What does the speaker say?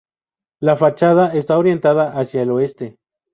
La fachada está orientada hacia el oeste.